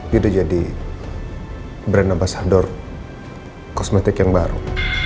dia udah jadi brand ambasador kosmetik yang baru